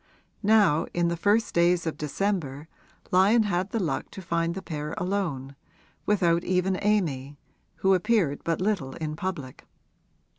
Now, in the first days of December, Lyon had the luck to find the pair alone, without even Amy, who appeared but little in public.